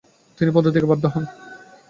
তিনি পদত্যাগে বাধ্য হন।